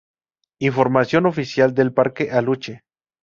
Información oficial del Parque Aluche